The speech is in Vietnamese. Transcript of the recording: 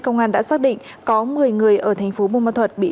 công an đã xác định có một mươi người ở tp bumal thuật bị